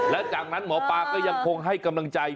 และจากนั้นหมอปลาก็ยังคงให้กำลังใจ